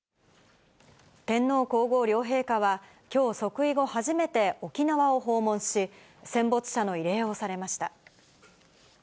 天皇皇后両陛下は、きょう、即位後初めて、沖縄を訪問し、戦没者の慰霊をされました。